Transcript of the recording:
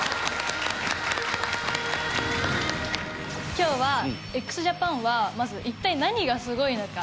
今日はＸＪＡＰＡＮはまず一体何がすごいのか。